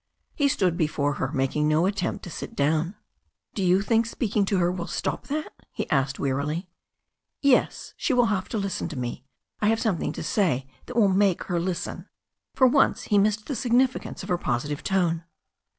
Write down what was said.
He stood before her, making no attempt to sit down. "Do you think speaking to her will stop that?" he asked wearily. ''Yes. She will have to listen to me. I have something to say that will make her listen." For once he missed the significance of her positive tone.